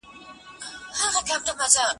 ژوند د اخلاقو څراغ دی؟